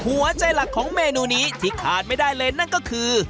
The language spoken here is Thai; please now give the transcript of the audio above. หัวใจหลักของเมนูนี้ที่ขาดไม่ได้เลยนั่นก็คือ